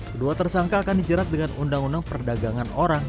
kedua tersangka akan dijerat dengan undang undang perdagangan orang